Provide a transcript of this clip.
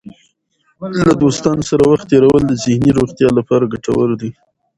له دوستانو سره وخت تېرول د ذهني روغتیا لپاره ګټور دی.